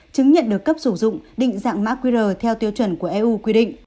chứng nhận được cấp sử dụng định dạng mã qr theo tiêu chuẩn của eu quy định